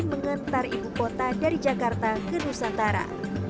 mengantar ibu kota dari jakarta ke nusantara